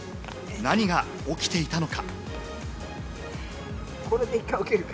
何が起きていたのか？